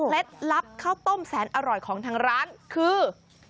ลับข้าวต้มแสนอร่อยของทางร้านคือ